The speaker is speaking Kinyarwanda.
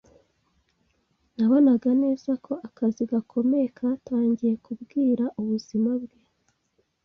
Nabonaga neza ko akazi gakomeye katangiye kubwira ubuzima bwe.